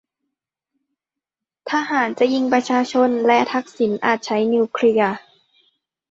ทหารจะยิงประชาชน และทักษิณอาจใช้นิวเคลียร์ !